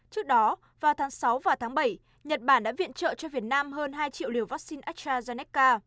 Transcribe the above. trước đó vào tháng sáu và tháng bảy nhật bản đã viện trợ cho việt nam hơn hai triệu liều vaccine astrazeneca